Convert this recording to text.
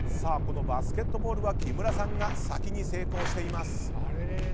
このバスケットボールは木村さんが先に成功しています。